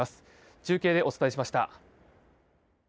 中継でお伝えしました。